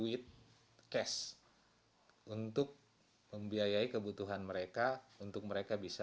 digawai penguntung mitad jawa ibadit untuk menjalin kebutuhan gen pt exceptionallyites x sesuatu yang lupa untuk dirumahkan penurun